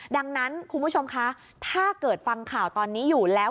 ดังนั้นคุณผู้ชมคะถ้าเกิดฟังข่าวตอนนี้อยู่แล้ว